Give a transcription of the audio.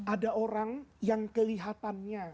ada orang yang kelihatannya